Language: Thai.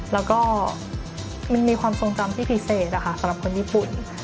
แล้วก็มันมีความทรงจำที่พิเศษสำหรับคนญี่ปุ่น